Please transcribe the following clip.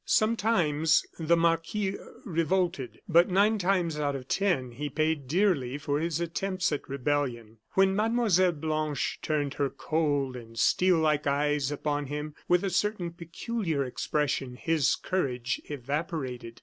Sometimes the marquis revolted, but nine times out of ten he paid dearly for his attempts at rebellion. When Mlle. Blanche turned her cold and steel like eyes upon him with a certain peculiar expression, his courage evaporated.